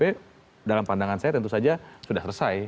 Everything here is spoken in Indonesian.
tapi dalam pandangan saya tentu saja sudah selesai